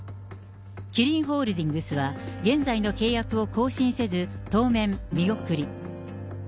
キリンホールディングスは、現在の契約を更新せず、当面、見送り。